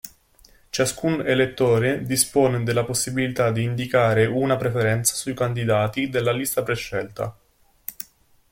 Ciascun elettore dispone della possibilità di indicare una preferenza sui candidati della lista prescelta.